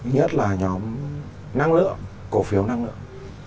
nhất là nhóm năng lượng cổ phiếu năng lượng